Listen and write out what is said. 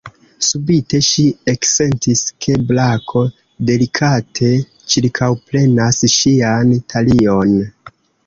Subite ŝi eksentis, ke brako delikate ĉirkaŭprenas ŝian talion.